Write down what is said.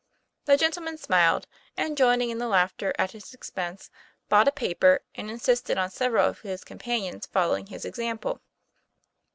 The gentleman smiled, and, joining in the laugh at his expense, bought a paper, and insisted on several of his companions following his example.